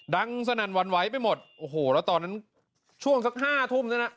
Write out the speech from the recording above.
ดังสนั่นวรรณไว้ไปหมดโอ้โหแล้วตอนนั้นช่วงสักห้าทุ่มนั่นอ่ะ